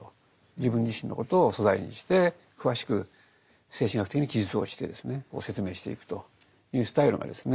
自分自身のことを素材にして詳しく精神医学的に記述をして説明していくというスタイルがですね